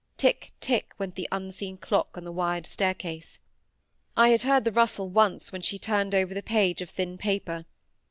Tick tick went the unseen clock on the wide staircase. I had heard the rustle once, when she turned over the page of thin paper.